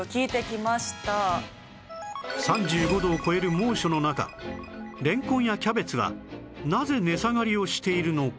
３５度を超える猛暑の中れんこんやキャベツはなぜ値下がりをしているのか？